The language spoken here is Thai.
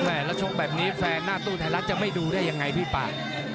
แล้วชกแบบนี้แฟนหน้าตู้ไทยรัฐจะไม่ดูได้ยังไงพี่ป่า